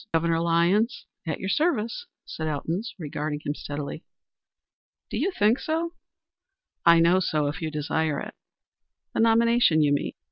"Governor Lyons, at your service," said Elton, regarding him steadily. "Do you think so?" "I know so, if you desire it." "The nomination, you mean?"